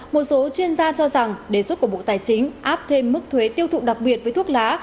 một số chuyên gia cho rằng đề xuất của bộ tài chính áp thêm mức thuế tiêu thụ đặc biệt với thuốc lá